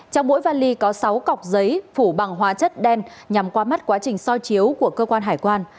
trong mỗi vali có sáu cọc giấy phủ bằng hóa chất đen nhằm qua mắt quá trình soi chiếu của cơ quan hải quan